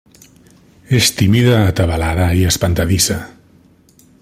És tímida, atabalada i espantadissa.